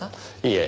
いえ。